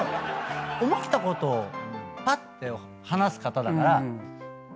思ったことをぱって話す方だから。